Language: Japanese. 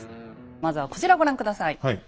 まずはこちらご覧下さい。